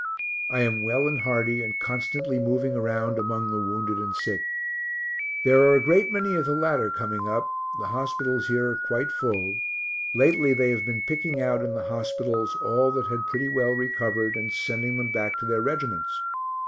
I am well and hearty, and constantly moving around among the wounded and sick. There are a great many of the latter coming up the hospitals here are quite full lately they have [been] picking out in the hospitals all that had pretty well recovered, and sending them back to their regiments.